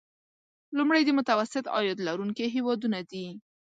لومړی د متوسط عاید لرونکي هیوادونه دي.